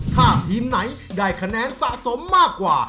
ถ้าทีมไหนได้คะแนนสะสมมากกว่า